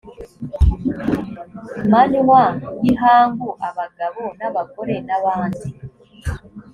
manywa y ihangu abagabo n abagore n abandi